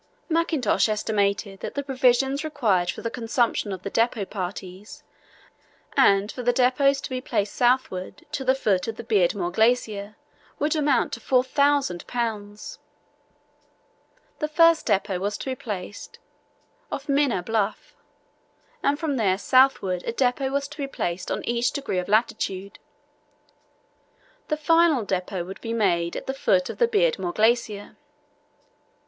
Mackintosh estimated that the provisions required for the consumption of the depot parties, and for the depots to be placed southward to the foot of the Beardmore Glacier, would amount to 4000 lbs. The first depot was to be placed off Minna Bluff, and from there southward a depot was to be placed on each degree of latitude. The final depot would be made at the foot of the Beardmore Glacier.